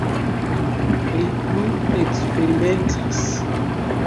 Li plu eksperimentis.